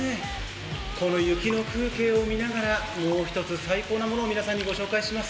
この雪の風景を見ながらもう一つ最高のものをお届けします。